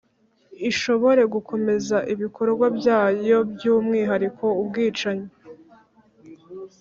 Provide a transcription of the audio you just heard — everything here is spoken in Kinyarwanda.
ishobore gukomeza ibikorwa byayo, by'umwihariko ubwicanyi